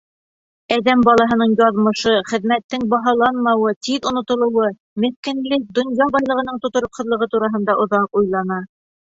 Әҙәм балаһының яҙмышы, хеҙмәттең баһаланмауы, тиҙ онотолоуы, меҫкенлек, донъя байлығының тотороҡһоҙлоғо тураһында оҙаҡ уйлана.